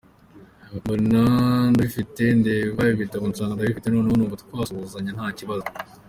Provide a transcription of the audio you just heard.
Mbona ndabifite, ndeba ibitabo nsanga ndabifite, noneho numva twasuhuzanya nta kibazo.